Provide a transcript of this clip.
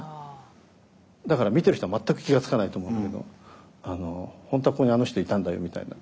だから見てる人は全く気が付かないと思うけど本当はここにあの人いたんだよみたいな。